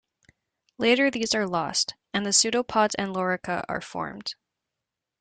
Later these are lost, and the pseudopods and lorica are formed.